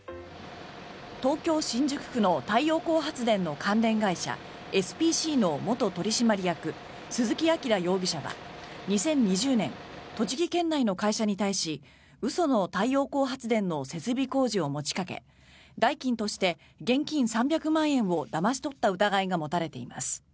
東京・新宿区の太陽光発電の関連会社エスピーシーの元取締役鈴木晃容疑者は２０２０年栃木県内の会社に対し嘘の太陽光発電の設備工事を持ちかけ代金として現金３００万円をだまし取った疑いが持たれています。